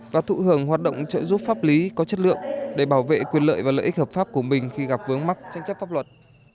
và thụ hưởng hoạt động trợ giúp pháp lý có chất lượng để bảo vệ quyền lợi và lợi ích hợp pháp của mình khi gặp vướng mắt tranh chấp pháp luật